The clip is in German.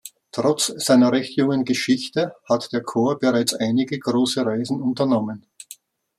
Trotz seiner recht jungen Geschichte hat der Chor bereits einige große Reisen unternommen.